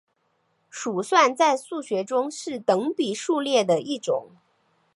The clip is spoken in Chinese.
鼠算在数学中是等比数列的一种。